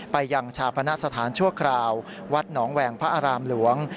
ไปยังชาปณะสถานชั่วคราววัดหนองแหวงพระอารามหลวง